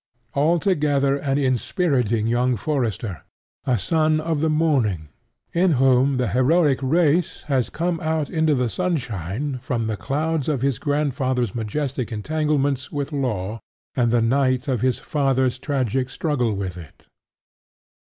Altogether an inspiriting young forester, a son of the morning, in whom the heroic race has come out into the sunshine from the clouds of his grandfather's majestic entanglements with law, and the night of his father's tragic struggle with it.